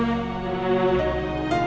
aku mau makan